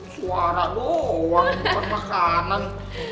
suara doang bukan makanan